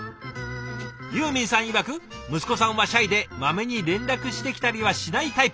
ユーミンさんいわく息子さんはシャイでマメに連絡してきたりはしないタイプ。